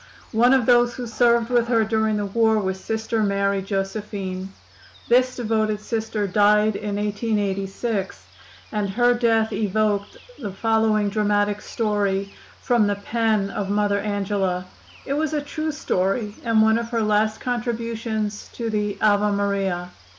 One of those who served with her during the war was Sister Mary Josephine. This devoted Sister died in 1886, and her death evoked the following dramatic story from the pen of Mother Angela. It was a true story, and one of her last contributions to the "Ave Maria."